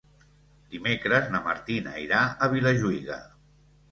Dimecres na Martina irà a Vilajuïga.